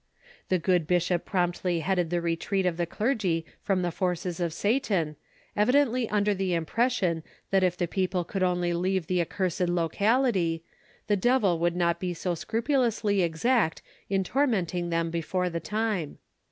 The good bishop promptly headed the retreat of the clergy from the forces of Satan, evidently under the impression that if the people could only leave the accursed locality, the devil would not be so scrupulously exact in tormenting them before the time.